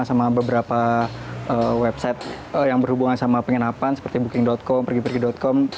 karena beberapa website yang berhubungan sama penginapan seperti booking com pergi pergi com